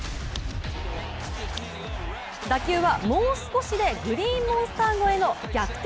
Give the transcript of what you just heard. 打球はもう少しでグリーンモンスター越えの逆転